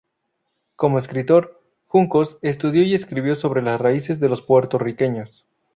Como escritor, Juncos estudió y escribió sobre las raíces de los puertorriqueños.